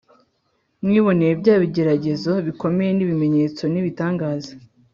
mwiboneye bya bigeragezo bikomeye n ibimenyetso n ibitangaza